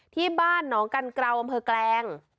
ที่บ้านหนองกันเกราวอำเภอแกลง